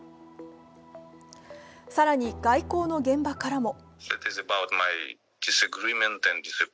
更に外交の現場からも。